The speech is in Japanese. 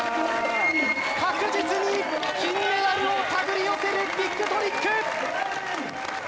確実に金メダルを手繰り寄せるビッグトリック！